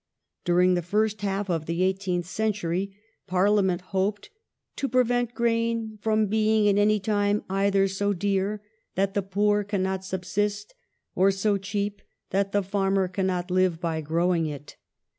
During the first half of the eighteenth century Parliament hoped to ''prevent grain from being at any time either so dear that the poor cannot subsist, or so cheap that the farmer cannot live by growing it